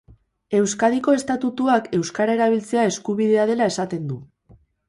Euskadiko estatutuak euskara erabiltzea eskubidea dela esaten du.